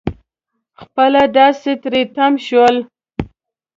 خپله داسې تری تم شول.